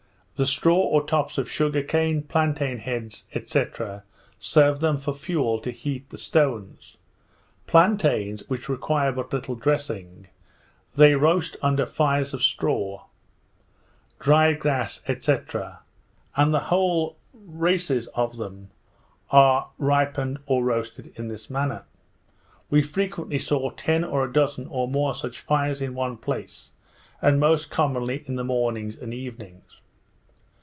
The straw or tops of sugar cane, plantain heads, &c. serve them for fuel to heat the stones. Plantains, which require but little dressing, they roast under fires of straw, dried grass, &c. and whole races of them are ripened or roasted in this manner. We frequently saw ten or a dozen, or more, such fires in one place, and most commonly in the mornings and evenings.